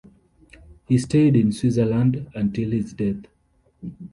He stayed in Switzerland until his death.